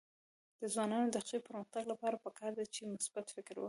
د ځوانانو د شخصي پرمختګ لپاره پکار ده چې مثبت فکر وکړي.